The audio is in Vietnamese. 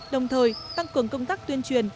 đồng thời tăng cường công tác tuyên truyền